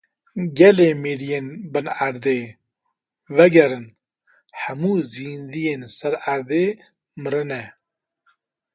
Gelî miriyên bin erdê! Vegerin, hemû zindiyên ser erdê mirine.